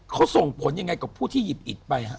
เขาส่งผลยังไงกับผู้ที่หยิบอิตไปฮะ